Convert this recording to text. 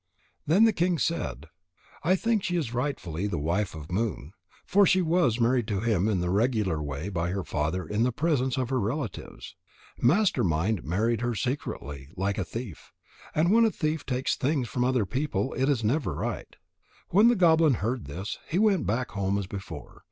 Then the king said: "I think she is the rightful wife of Moon. For she was married to him in the regular way by her father in the presence of her relatives. Master mind married her secretly, like a thief. And when a thief takes things from other people, it is never right." When the goblin heard this, he went back home as before.